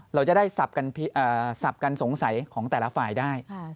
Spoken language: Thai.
เราจะได้สับกันสงสัยของแต่ละฝ่ายได้